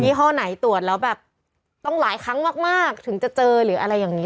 ี่ห้อไหนตรวจแล้วแบบต้องหลายครั้งมากถึงจะเจอหรืออะไรอย่างนี้